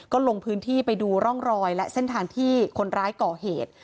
ก็ลงพื้นที่ไปดูร่องรอยและเส้นทางที่คนร้ายก่อเหตุ